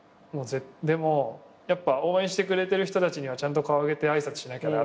でもやっぱ応援してくれてる人たちにはちゃんと顔上げて挨拶しなきゃな。